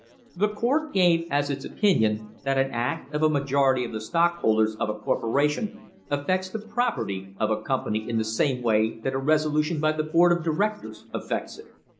The court gave as its opinion that an act of a majority of the stockholders of a corporation affects the property of a company in the same way that a resolution by the board of directors affects it.